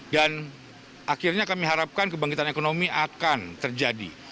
dan akhirnya kami harapkan kebangkitan ekonomi akan terjadi